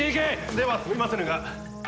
ではすみませぬが。